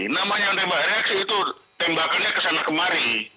namanya yang menembak reaksi itu tembakannya kesana kemari